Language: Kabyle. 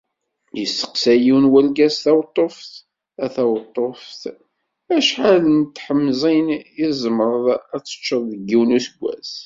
Yesteqsa yiwen urgaz taweṭṭuft: “A taweṭṭuft, acḥal n tḥemẓin i tzemreḍ ad teččeḍ deg yiwen n usuggas?